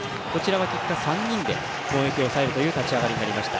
結果、３人で攻撃を抑えるという立ち上がりになりました。